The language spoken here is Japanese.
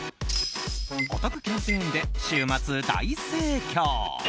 お得キャンペーンで週末大盛況！